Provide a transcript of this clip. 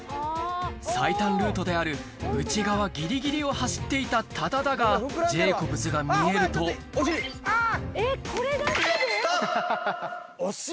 最短ルートである内側ギリギリを走っていた多田だがジェイコブズが見えるとお尻！